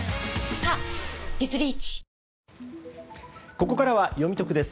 ここからはよみトクです。